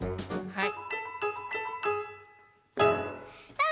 はい。